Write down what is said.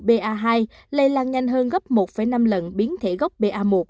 biến thể phụ ba hai lây lan nhanh hơn gấp một năm lần biến thể gốc ba một